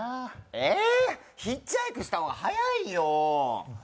ええヒッチハイクした方が早いよ。